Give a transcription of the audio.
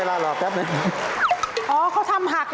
ได้ยิ้มรอใหม่๑๒๓